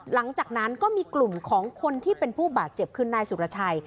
หลังจากนั้นก็มีกลุ่มของคนที่เป็นผู้บาดเจ็บคือนายสุรชัย